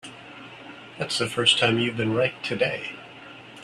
That's the first time you've been right today.